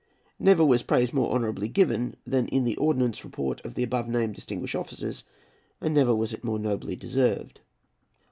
Never was praise more honourably given, than in the Ordnance Report of the above named distinguished officers, and never was it more nobly deserved.